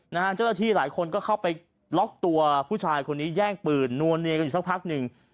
เจ้าหน้าที่หลายคนก็เข้าไปล็อกตัวผู้ชายคนนี้แย่งปืนนัวเนียกันอยู่สักพักหนึ่ง